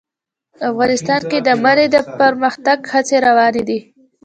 افغانستان کې د منی د پرمختګ هڅې روانې دي.